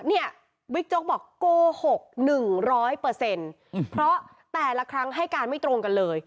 นี่วิกโจ๊กบอกโกหกหนึ่งร้อยเปอร์เซ็นต์เพราะแต่ละครั้งให้การไม่ตรงกันเลย